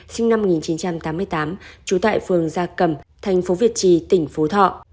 sinh năm một nghìn chín trăm tám mươi tám chủ tại phường gia cầm tp việt trì tỉnh phú thọ